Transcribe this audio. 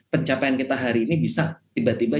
pencapaian kita hari ini bisa tiba tiba